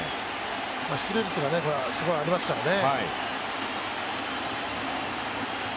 出塁率がすごいありますからね。